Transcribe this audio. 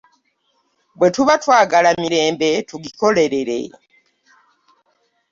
Bwe tuba twagala mirembe tugikolerere.